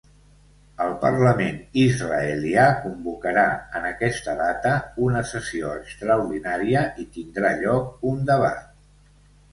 El parlament israelià convocarà en aquesta data una sessió extraordinària, i tindrà lloc un debat.